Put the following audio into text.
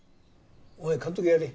お前監督やれ。